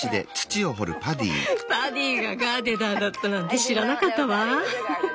パディがガーデナーだったなんて知らなかったわ。